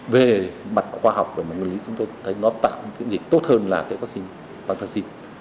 về mặt khoa học và ngân lý chúng tôi thấy nó tạo dịch tốt hơn là vaccine pentaxim